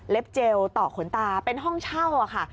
เจลต่อขนตาเป็นห้องเช่าค่ะ